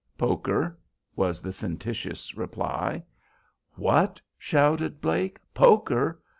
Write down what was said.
"Poker," was the sententious reply. "What?" shouted Blake. "Poker?